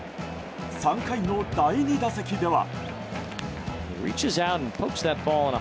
３回の第２打席では。